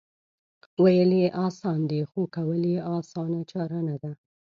وېل یې اسان دي خو کول یې اسانه چاره نه ده